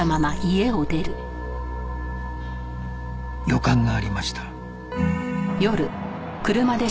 予感がありました